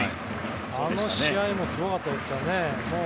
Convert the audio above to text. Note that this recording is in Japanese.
あの試合もすごかったですからね。